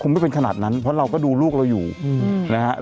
ไม่เป็นขนาดนั้นเพราะเราก็ดูลูกเราอยู่นะฮะ